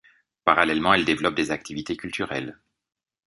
Parallèlement, elle développe des activités culturelles.